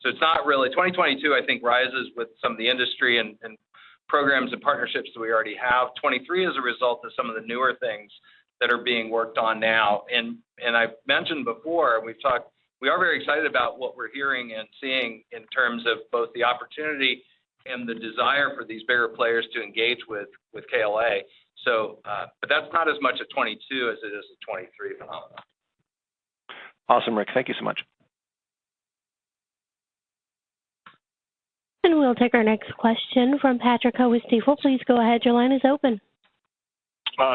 It's not really 2022. I think 2022 rises with some of the industry and programs and partnerships that we already have. 2023 is a result of some of the newer things that are being worked on now. I've mentioned before, and we've talked. We are very excited about what we're hearing and seeing in terms of both the opportunity and the desire for these bigger players to engage with KLA. So but that's not as much of 2022 as it is of 2023 phenomenon. Awesome, Rick. Thank you so much. We'll take our next question from Patrick Ho with Stifel. Please go ahead. Your line is open.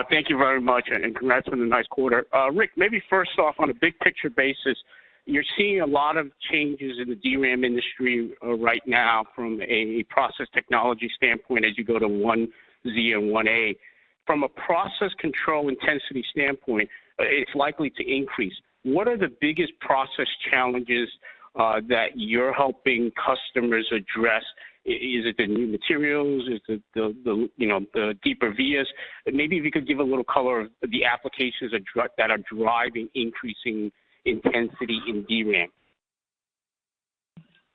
Thank you very much, and congrats on the nice quarter. Rick, maybe first off, on a big picture basis. You're seeing a lot of changes in the DRAM industry right now from a process technology standpoint as you go to 1Z and 1A. From a process control intensity standpoint, it's likely to increase. What are the biggest process challenges that you're helping customers address? Is it the new materials? Is it you know, the deeper vias? Maybe if you could give a little color of the applications that are driving increasing intensity in DRAM.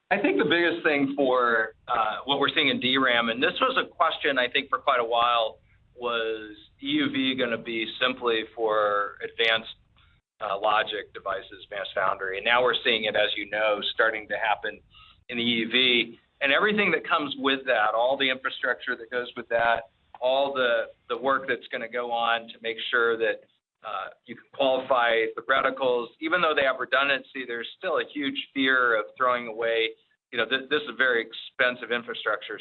I think the biggest thing for what we're seeing in DRAM, and this was a question I think for quite a while, was EUV gonna be simply for advanced logic devices, advanced foundry. Now we're seeing it, as you know, starting to happen in EUV. Everything that comes with that, all the infrastructure that goes with that, all the work that's gonna go on to make sure that you can qualify the reticles. Even though they have redundancy, there's still a huge fear of throwing away. You know, this is very expensive infrastructure.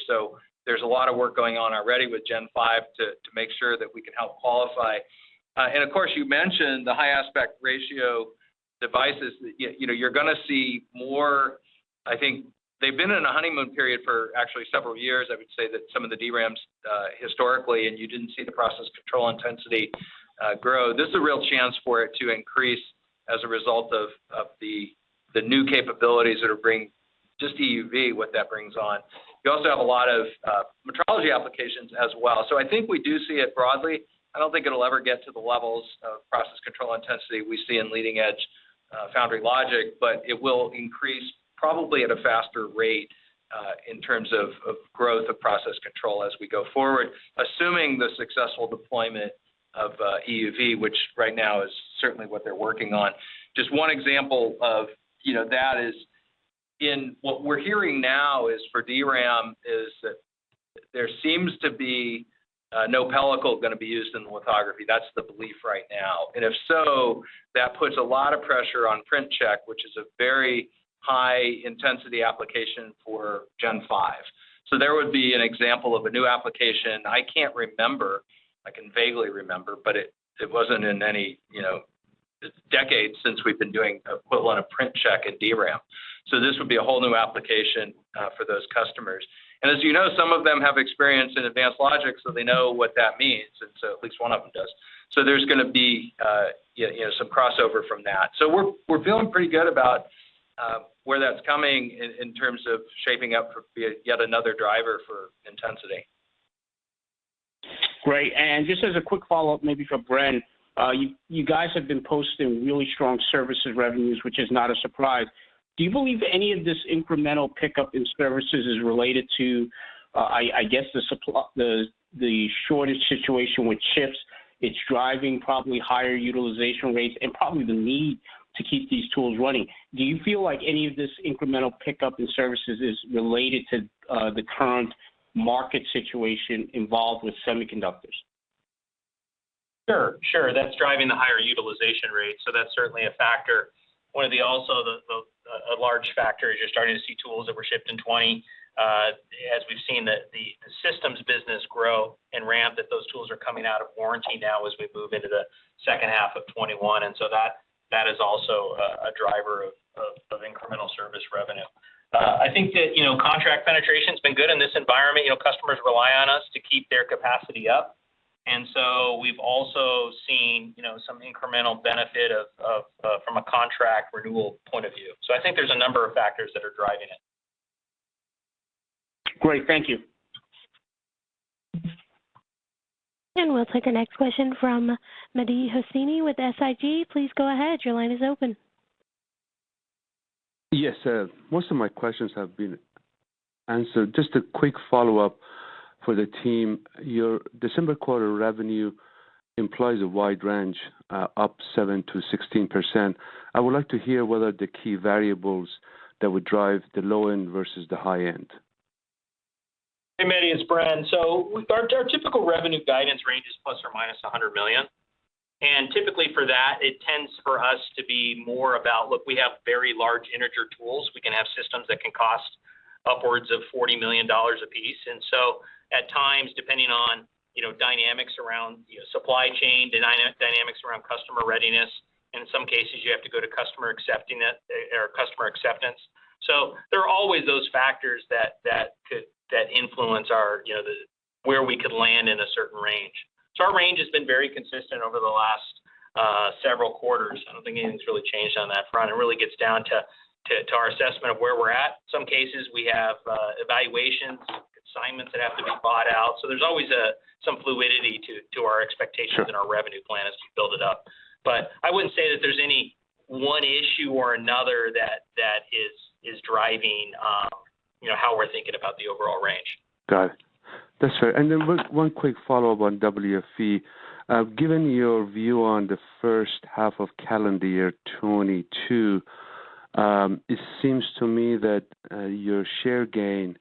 There's a lot of work going on already with Gen5 to make sure that we can help qualify. Of course, you mentioned the high aspect ratio devices. You know, you're gonna see more. I think they've been in a honeymoon period for actually several years. I would say that some of the DRAMs historically, and you didn't see the process control intensity grow. This is a real chance for it to increase as a result of the new capabilities just EUV, what that brings on. You also have a lot of metrology applications as well. So I think we do see it broadly. I don't think it'll ever get to the levels of process control intensity we see in leading edge foundry logic, but it will increase probably at a faster rate in terms of growth of process control as we go forward, assuming the successful deployment of EUV, which right now is certainly what they're working on. Just one example of, you know, that is in what we're hearing now is for DRAM is that there seems to be no pellicle gonna be used in the lithography. That's the belief right now. If so, that puts a lot of pressure on print check, which is a very high intensity application for Gen5. There would be an example of a new application. I can't remember. I can vaguely remember, but it wasn't in any, you know, decades since we've been doing an equivalent of print check at DRAM. This would be a whole new application for those customers. As you know, some of them have experience in advanced logic, so they know what that means. At least one of them does. There's gonna be, you know, some crossover from that. We're feeling pretty good about where that's coming in terms of shaping up to be yet another driver for intensity. Just as a quick follow-up maybe for Bren. You guys have been posting really strong services revenues, which is not a surprise. Do you believe any of this incremental pickup in services is related to, I guess the shortage situation with chips, it's driving probably higher utilization rates and probably the need to keep these tools running. Do you feel like any of this incremental pickup in services is related to, the current market situation involved with semiconductors? Sure. Sure. That's driving the higher utilization rate, so that's certainly a factor. One of the large factors is you're starting to see tools that were shipped in 2020. As we've seen the systems business grow and ramp, those tools are coming out of warranty now as we move into the second half of 2021. That is also a driver of incremental service revenue. I think that, you know, contract penetration's been good in this environment. You know, customers rely on us to keep their capacity up, and so we've also seen, you know, some incremental benefit from a contract renewal point of view. I think there's a number of factors that are driving it. Great. Thank you. We'll take our next question from Mehdi Hosseini with SIG. Please go ahead. Your line is open. Yes, sir. Most of my questions have been answered. Just a quick follow-up for the team. Your December quarter revenue implies a wide range, up 7%-16%. I would like to hear whether the key variables that would drive the low end versus the high end. Hey, Mehdi, it's Bren. Our typical revenue guidance range is ±$100 million. Typically for that it tends for us to be more about, look, we have very large integer tools. We can have systems that can cost upwards of $40 million a piece. At times, depending on, you know, dynamics around, you know, supply chain dynamics around customer readiness. In some cases you have to go to customer accepting it or customer acceptance. There are always those factors that could influence our, you know, where we could land in a certain range. Our range has been very consistent over the last several quarters. I don't think anything's really changed on that front. It really gets down to our assessment of where we're at. Some cases we have evaluations, assignments that have to be bought out, so there's always some fluidity to our expectations and our revenue plan as we build it up. But I wouldn't say that there's any one issue or another that is driving you know, how we're thinking about the overall range. Got it. That's fair. One quick follow-up on WFE. Given your view on the first half of calendar year 2022, it seems to me that your share gain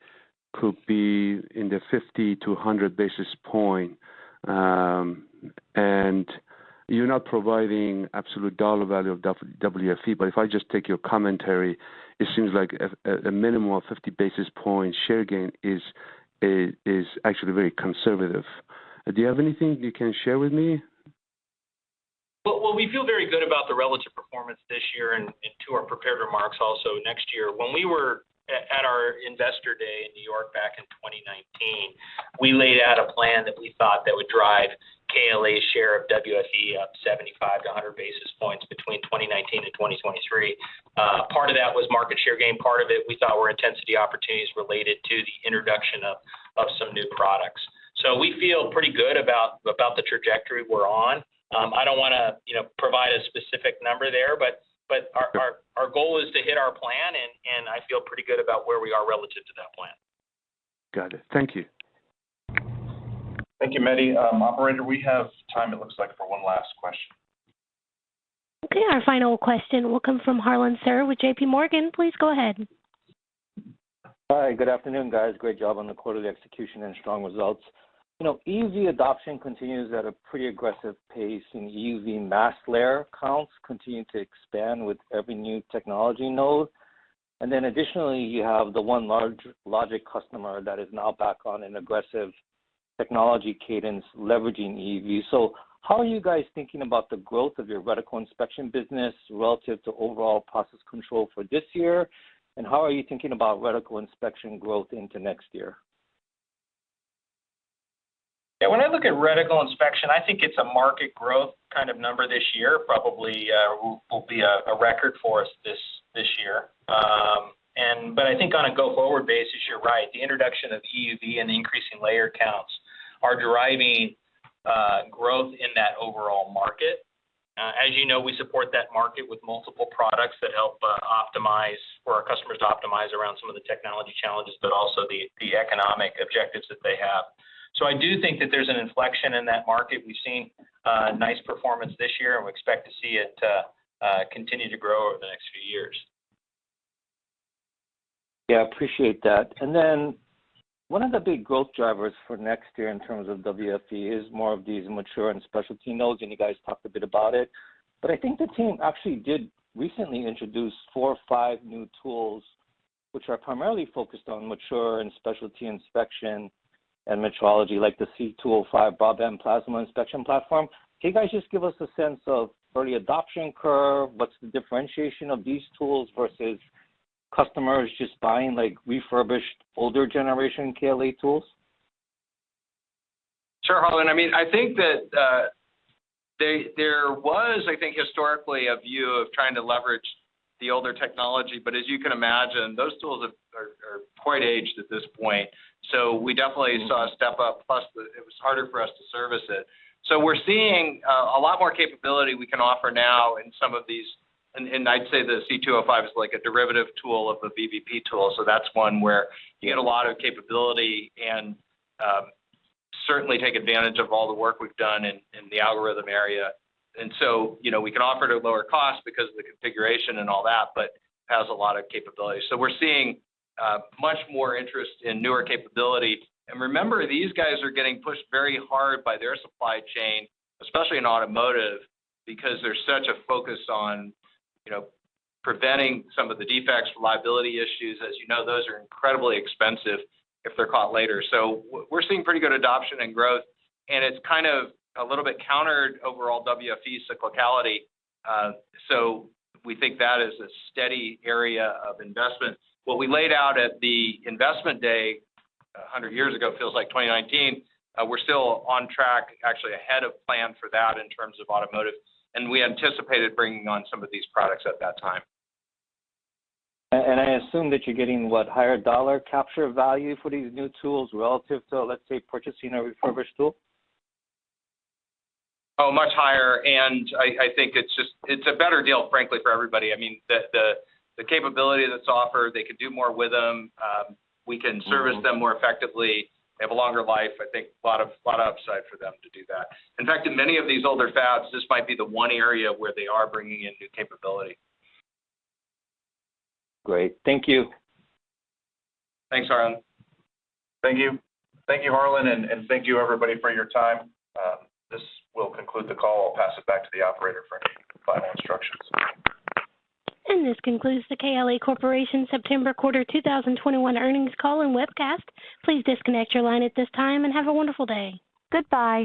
could be in the 50-100 basis points. You're not providing absolute dollar value of WFE. If I just take your commentary, it seems like a minimum of 50 basis points share gain is actually very conservative. Do you have anything you can share with me? Well, we feel very good about the relative performance this year and to our prepared remarks also next year. When we were at our investor day in New York back in 2019, we laid out a plan that we thought would drive KLA's share of WFE up 75-100 basis points between 2019 to 2023. Part of that was market share gain, part of it we thought were intensity opportunities related to the introduction of some new products. We feel pretty good about the trajectory we're on. I don't wanna, you know, provide a specific number there, but our goal is to hit our plan, and I feel pretty good about where we are relative to that plan. Got it. Thank you. Thank you, Mehdi. Operator, we have time it looks like for one last question. Okay, our final question will come from Harlan Sur with J.P. Morgan. Please go ahead. Hi, good afternoon, guys. Great job on the quarter execution and strong results. You know, EUV adoption continues at a pretty aggressive pace, and EUV mask layer counts continue to expand with every new technology node. Additionally, you have the one large logic customer that is now back on an aggressive technology cadence leveraging EUV. How are you guys thinking about the growth of your reticle inspection business relative to overall process control for this year? How are you thinking about reticle inspection growth into next year? Yeah, when I look at reticle inspection, I think it's a market growth kind of number this year, probably will be a record for us this year. But I think on a go-forward basis, you're right. The introduction of EUV and the increasing layer counts are driving growth in that overall market. As you know, we support that market with multiple products that help our customers optimize around some of the technology challenges, but also the economic objectives that they have. I do think that there's an inflection in that market. We've seen nice performance this year, and we expect to see it continue to grow over the next few years. Yeah, appreciate that. One of the big growth drivers for next year in terms of WFE is more of these mature and specialty nodes, and you guys talked a bit about it. I think the team actually did recently introduce four or five new tools which are primarily focused on mature and specialty inspection and metrology, like the C205 broadband plasma inspection platform. Can you guys just give us a sense of early adoption curve? What's the differentiation of these tools versus customers just buying like refurbished older generation KLA tools? Sure, Harlan. I mean, I think that, there was, I mean, historically, a view of trying to leverage the older technology, but as you can imagine, those tools are quite aged at this point. We definitely saw a step up, plus it was harder for us to service it. We're seeing a lot more capability we can offer now in some of these, and I'd say the C205 is like a derivative tool of a BBP tool. That's one where you get a lot of capability and certainly take advantage of all the work we've done in the algorithm area. You know, we can offer it at lower cost because of the configuration and all that, but has a lot of capability. We're seeing much more interest in newer capability. Remember, these guys are getting pushed very hard by their supply chain, especially in automotive, because there's such a focus on, you know, preventing some of the defects, liability issues. As you know, those are incredibly expensive if they're caught later. We're seeing pretty good adoption and growth, and it's kind of a little bit countered overall WFE cyclicality. We think that is a steady area of investment. What we laid out at the investment day a hundred years ago, feels like 2019, we're still on track, actually ahead of plan for that in terms of automotive, and we anticipated bringing on some of these products at that time. I assume that you're getting what, higher dollar capture value for these new tools relative to, let's say, purchasing a refurbished tool? Oh, much higher. I think it's a better deal, frankly, for everybody. I mean, the capability that's offered, they can do more with them. We can service them more effectively. They have a longer life. I think a lot of upside for them to do that. In fact, in many of these older fabs, this might be the one area where they are bringing in new capability. Great. Thank you. Thanks, Harlan. Thank you. Thank you, Harlan, and thank you, everybody, for your time. This will conclude the call. I'll pass it back to the operator for any final instructions. This concludes the KLA Corporation September quarter 2021 earnings call and webcast. Please disconnect your line at this time, and have a wonderful day. Goodbye.